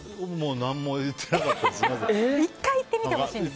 何も言ってなかったです。